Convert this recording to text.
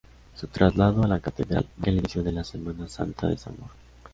Su traslado a la Catedral marca el inicio de la Semana Santa de Zamora.